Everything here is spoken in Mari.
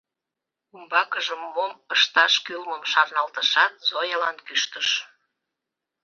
Умбакыже мом ышташ кӱлмым шарналтышат, Зоялан кӱштыш:.